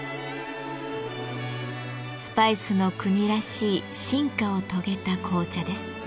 スパイスの国らしい進化を遂げた紅茶です。